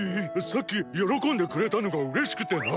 さっきよろこんでくれたのがうれしくて。